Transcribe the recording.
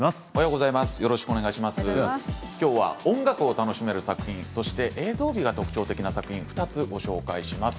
今日は音楽を楽しめる作品映像美が特徴的な作品を２つご紹介します。